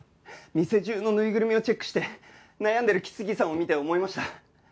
店中のぬいぐるみをチェックして悩んでる木次さんを見て思いました。